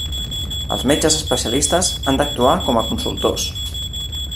Els metges especialistes han d'actuar com a consultors.